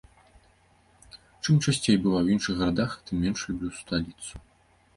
Чым часцей бываю ў іншых гарадах, тым менш люблю сталіцу.